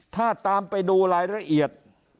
ถ้าตามไปดูรายละเอียด